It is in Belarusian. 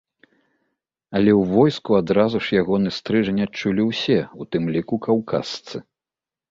Але ў войску адразу ж ягоны стрыжань адчулі ўсе, у тым ліку каўказцы.